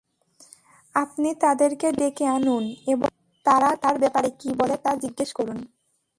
আপনি তাদেরকে ডেকে আনুন এবং তারা তার ব্যাপারে কী বলে তা জিজ্ঞেস করুন।